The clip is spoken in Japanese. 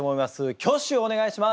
挙手をお願いします。